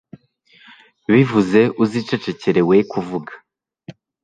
Bivuze uzicecekera we kuvuga